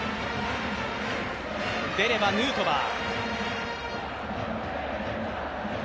出ればヌートバー。